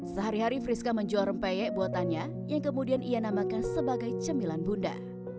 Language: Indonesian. sehari hari friska menjual rempeyek buatannya yang kemudian ia namakan sebagai cemilan bunda